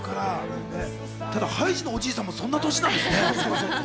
ただ、ハイジのおじいさんも、そんな年なんですね。